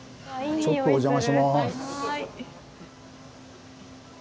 ちょっとおじゃまします。